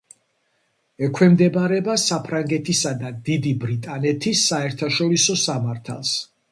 ექვემდებარება საფრანგეთისა და დიდი ბრიტანეთის საერთაშორისო სამართალს.